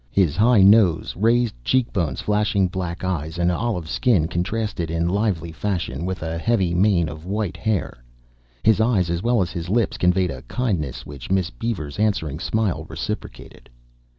His high nose, raised cheek bones, flashing black eyes and olive skin contrasted in lively fashion with a heavy mane of white hair. His eyes as well as his lips conveyed a kindliness which Miss Beaver's answering smile reciprocated.